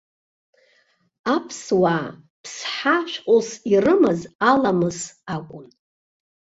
Аԥсуаа ԥсҳа шәҟәыс ирымаз аламыс акәын.